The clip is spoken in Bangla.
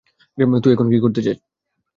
তুই এখন কি করতে চাস?